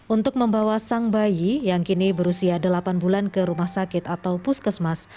untuk membawa sang bayi yang kini berusia delapan bulan ke rumah sakit atau puskesmas